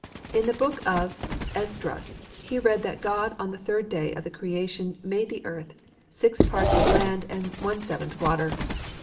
In the book of Esdras he read that God on the third day of the creation made the earth, six parts of land and one seventh water.